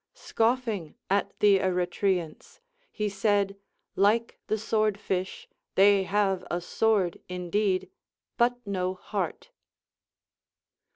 Scoffing at the Eretrians, he said, Like the sword fish, they have a sword indeed, but no heart.